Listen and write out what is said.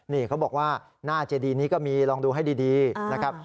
นี่เขาบอกว่าหน้าเจดีนี้ก็มีลองดูให้ดีนะครับ